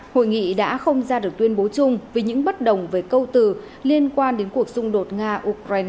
hội nghị đã không ra được tuyên bố chung vì những bất đồng về câu từ liên quan đến cuộc xung đột nga ukraine